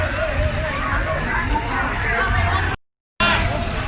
อันนี้ก็มันถูกประโยชน์ก่อน